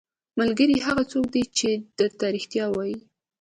ملګری هغه څوک دی چې درته رښتیا وايي.